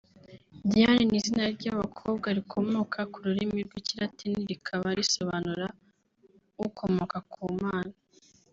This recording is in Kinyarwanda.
Diane ni izina ry’abakobwa rikomoka ku rurimi rw’Ikilatini rikaba risobanura “ukomoka ku Mana”